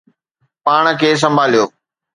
پاڻ کي سنڀاليو